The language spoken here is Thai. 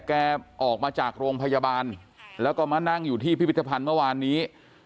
แกออกมาจากโรงพยาบาลแล้วก็มานั่งอยู่ที่พิพิธภัณฑ์เมื่อวานนี้